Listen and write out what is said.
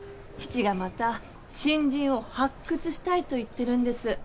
父がまた新人を発掘したいと言ってるんです。